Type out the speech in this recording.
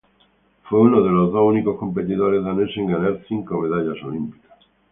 Fue uno de los dos únicos competidores daneses en ganar cinco medallas olímpicas.